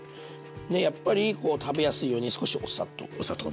でやっぱりこう食べやすいように少しお砂糖。